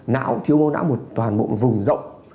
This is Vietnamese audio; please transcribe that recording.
não thiếu mô não một toàn mụn vùng rộng